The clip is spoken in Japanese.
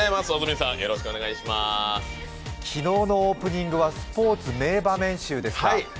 昨日のオープニングはスポーツ名場面集ですか。